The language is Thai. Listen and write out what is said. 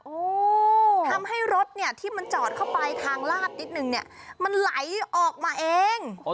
โอ้โหทำให้รถเนี่ยที่มันจอดเข้าไปทางลาดนิดนึงเนี่ยมันไหลออกมาเอง